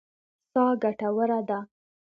سا ګټوره ده.